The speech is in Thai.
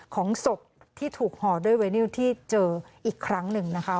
ของศพที่ถูกห่อด้วยไวนิวที่เจออีกครั้งหนึ่งนะคะ